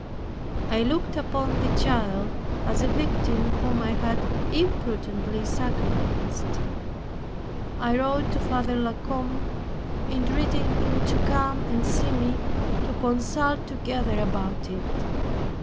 I looked upon the child as a victim whom I had imprudently sacrificed. I wrote to Father La Combe, entreating him to come and see me, to consult together about it.